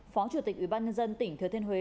phó chủ tịch ủy ban nhân dân tỉnh thừa thiên huế